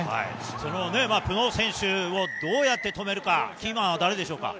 そのプノー選手をどうやって止めるか、キーマンは誰でしょうか。